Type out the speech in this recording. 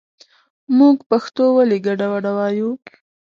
مونږ پښتو ولې ګډه وډه وايو